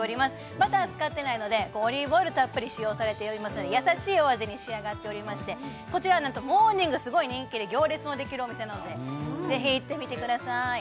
バター使ってないのでオリーブオイルたっぷり使用されておりますのでやさしいお味に仕上がっておりましてこちらなんとモーニングすごい人気で行列のできるお店なのでぜひ行ってみてください